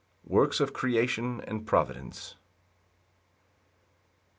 C. M. Works of creation and providence.